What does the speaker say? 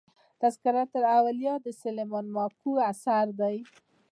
"تذکرةالاولیا" د سلیمان ماکو اثر دﺉ.